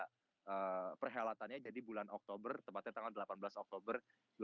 dan perhelatannya jadi bulan oktober tempatnya tanggal delapan belas oktober dua ribu delapan belas